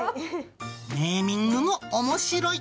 ネーミングも面白い。